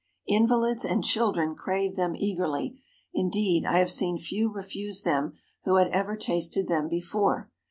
Invalids and children crave them eagerly. Indeed, I have seen few refuse them who had ever tasted them before.